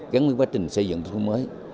gắn với quá trình xây dựng thuốc mới